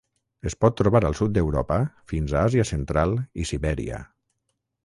Es pot trobar al sud d'Europa fins a Àsia central i Sibèria.